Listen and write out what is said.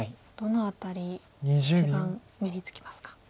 どの辺り一番目につきますか？